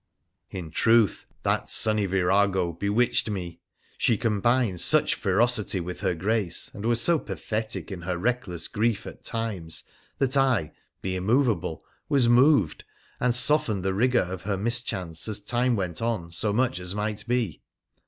In truth, that sunny virago bewitched me. She combined such ferocity with her grace, and was so pathetic in her reck less grief at times, that I, the immovable, was moved, and softened the rigour of her mischance as time went on so much as might be.